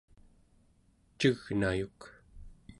cegnayuk